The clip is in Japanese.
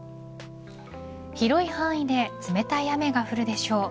広い範囲で冷たい雨が降るでしょう。